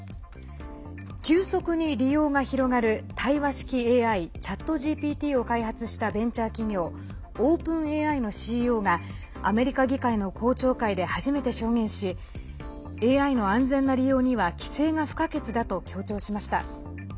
急速に利用が広がる対話式ＡＩＣｈａｔＧＰＴを開発したベンチャー企業オープンＡＩのＣＥＯがアメリカ議会の公聴会で初めて証言しＡＩの安全な利用には規制が不可欠だと強調しました。